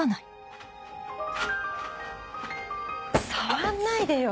触んないでよ！